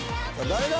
誰だ？